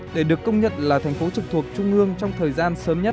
để được công nhận là thành phố trực thuộc trung ương trong thời gian sớm nhất